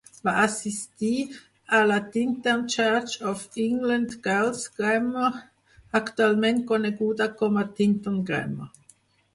Va assistir a la Tintern Church of England Girls' Grammar, actualment coneguda com a Tintern Grammar.